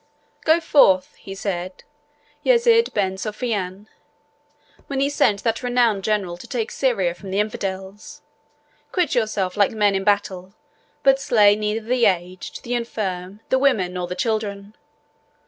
'Go forth,' he said, 'Yezed Ben Sophian,' when he sent that renowned general to take Syria from the infidels; 'quit yourselves like men in battle, but slay neither the aged, the infirm, the women, nor the children.